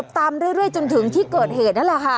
แล้วก็ขี่ประกบตามเรื่อยจนถึงที่เกิดเหตุนั่นแหละค่ะ